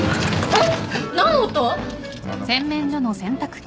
えっ？